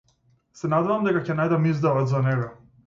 Се надевам дека ќе најдам издавач за него.